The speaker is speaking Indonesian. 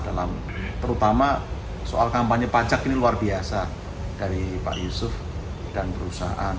dalam terutama soal kampanye pajak ini luar biasa dari pak yusuf dan perusahaan